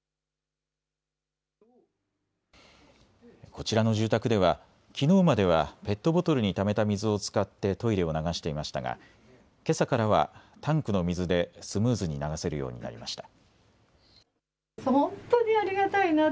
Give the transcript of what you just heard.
こちらの住宅ではきのうまではペットボトルにためた水を使ってトイレを流していましたがけさからはタンクの水でスムーズに流せるようになりました。